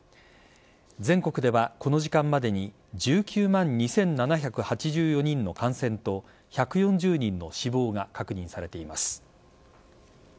全国ではこの時間までに１９万２７８４人の感染と１４０人の死亡が確認されています。